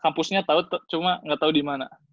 kampusnya tau cuma gak tau di mana